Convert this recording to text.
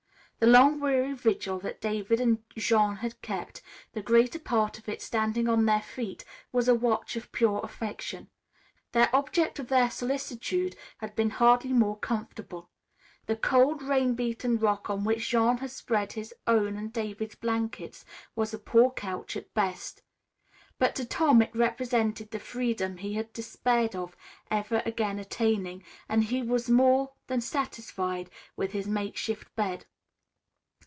The long weary vigil that David and Jean had kept, the greater part of it standing on their feet, was a watch of pure affection. The object of their solicitude had been hardly more comfortable. The cold, rain beaten rock on which Jean had spread his own and David's blankets was a poor couch at best. But to Tom it represented the freedom he had despaired of ever again attaining, and he was more than satisfied with his makeshift bed.